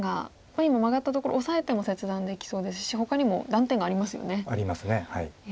今マガったところオサえても切断できそうですしほかにも断点がありますよね。あります。